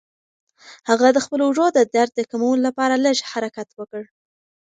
هغه د خپلو اوږو د درد د کمولو لپاره لږ حرکت وکړ.